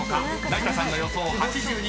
［成田さんの予想８２％］